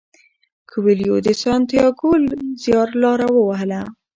کویلیو د سانتیاګو زیارلاره ووهله.